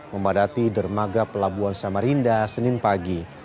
memadati dermaga pelabuhan samarinda senin pagi